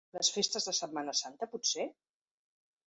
Les festes de Setmana Santa, potser?